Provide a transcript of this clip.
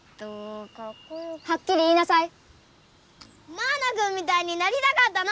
マウナくんみたいになりたかったの！